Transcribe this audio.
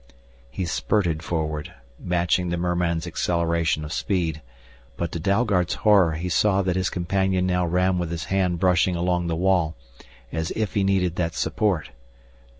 He spurted forward, matching the merman's acceleration of speed. But to Dalgard's horror he saw that his companion now ran with one hand brushing along the wall, as if he needed that support.